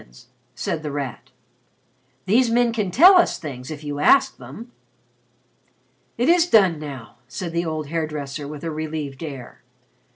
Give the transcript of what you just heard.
said The Rat. "These men can tell us things if you ask them." "It is done now," said the old hair dresser with a relieved air.